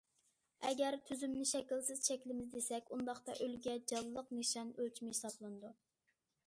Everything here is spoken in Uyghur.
ئەگەر، تۈزۈمنى شەكىلسىز چەكلىمە دېسەك، ئۇنداقتا ئۈلگە جانلىق نىشان ئۆلچىمى ھېسابلىنىدۇ.